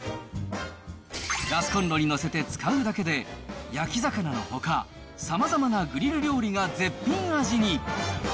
ガスコンロに載せて使うだけで、焼き魚のほか、さまざまなグリル料理が絶品味に。